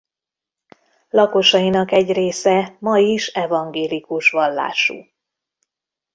Lakosainak egy része ma is evangélikus vallású.